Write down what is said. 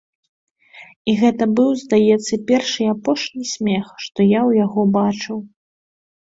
І гэта быў, здаецца, першы і апошні смех, што я ў яго бачыў.